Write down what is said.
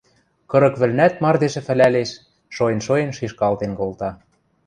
Кырык вӹлнӓт мардеж ӹфӹлӓлеш, шоэн-шоэн шишкалтен колта